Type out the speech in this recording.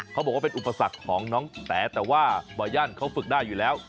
เขาบอกว่าเป็นอุปสรรคของน้องแต๋แต่ว่าบ่อยั่นเขาฝึกได้อยู่แล้ว